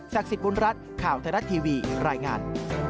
สิทธิ์บุญรัฐข่าวไทยรัฐทีวีรายงาน